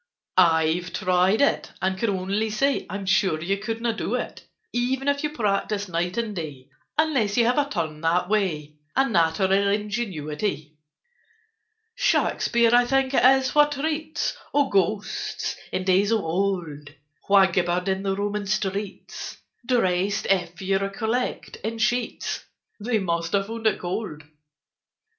"I've tried it, and can only say I'm sure you couldn't do it, e ven if you practised night and day, Unless you have a turn that way, And natural ingenuity. "Shakspeare I think it is who treats Of Ghosts, in days of old, Who 'gibbered in the Roman streets,' Dressed, if you recollect, in sheets— They must have found it cold.